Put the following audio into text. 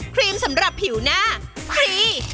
ครีมสำหรับผิวหน้าครี